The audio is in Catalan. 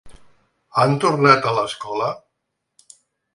Han tornat a l’escola?